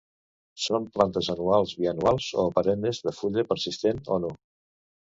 Són plantes anuals bianuals o perennes de fulla persistent o no.